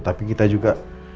tapi kita juga